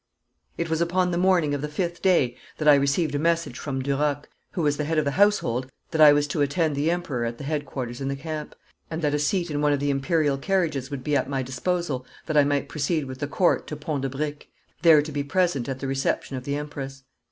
It was upon the morning of the fifth day that I received a message from Duroc, who was the head of the household, that I was to attend the Emperor at the headquarters in the camp, and that a seat in one of the Imperial carriages would be at my disposal that I might proceed with the Court to Pont de Briques, there to be present at the reception of the Empress.